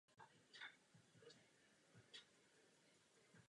Jsem si vědom rozdílů v důchodových systémech v Evropě.